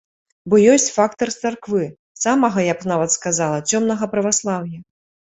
Бо ёсць фактар царквы, самага, я б нават сказала, цёмнага праваслаўя.